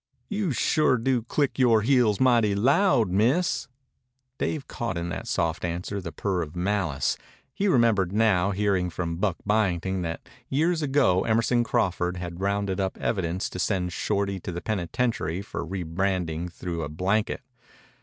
"You sure do click yore heels mighty loud, Miss." Dave caught in that soft answer the purr of malice. He remembered now hearing from Buck Byington that years ago Emerson Crawford had rounded up evidence to send Shorty to the penitentiary for rebranding through a blanket.